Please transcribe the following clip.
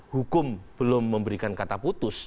hukum belum memberikan kata putus